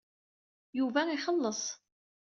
Yuba ixelleṣ.